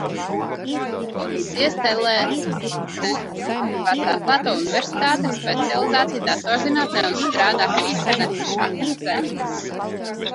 Beidzis Telavivas Atklāto universitāti ar specializāciju datorzinātnē un strādā kā interneta šaha treneris.